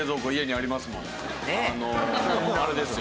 あのあれですよ。